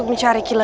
kabur dan kabur